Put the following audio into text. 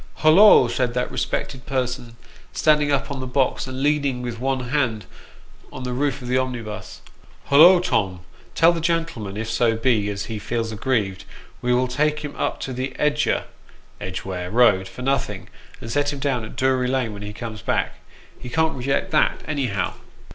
" Hollo !" said that respectable person, standing up on the box, and leaning with one hand on the roof of the omnibus. " Hollo, Tom ! tell the gentleman if so be as he feels aggrieved, wo will take him up to the Edge er (Edgware) Road for nothing, and set him down at Doory Lane when we comes back. He can't reject that, anyhow."